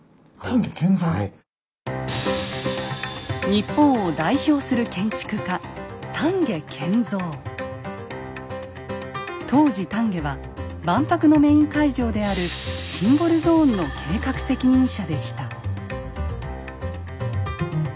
日本を代表する当時丹下は万博のメイン会場であるシンボルゾーンの計画責任者でした。